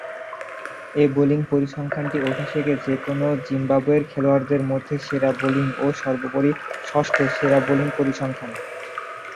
এ bowling পরিসংখ্যানটি অভিষেকে যে-কোন জিম্বাবুয়ের খেলোয়াড়দের মধ্যে সেরা বোলিং ও সর্বোপরি ষষ্ঠ সেরা বোলিং পরিসংখ্যান।